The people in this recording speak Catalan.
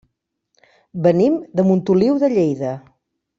Venim de Montoliu de Lleida.